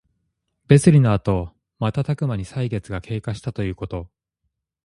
別離のあとまたたくまに歳月が経過したということ。